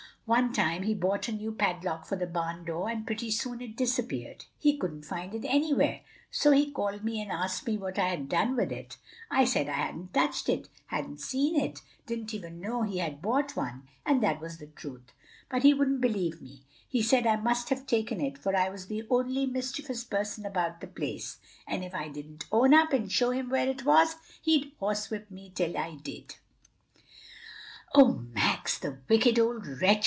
One time he bought a new padlock for the barn door and pretty soon it disappeared. He couldn't find it anywhere, so he called me and asked me what I had done with it. I said I hadn't touched it, hadn't seen it, didn't even know he had bought one; and that was the truth. But he wouldn't believe me; he said I must have taken it, for I was the only mischievous person about the place, and if I didn't own up and show him where it was, he'd horsewhip me till I did." "O Max! the wicked old wretch!"